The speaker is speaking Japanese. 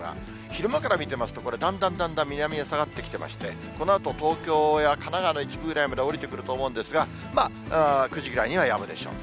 昼間から見ていますと、これ、だんだんだんだん南へ下がってきてまして、このあと東京や神奈川の一部ぐらいまでは下りてくると思うんですが、９時ぐらいにはやむでしょう。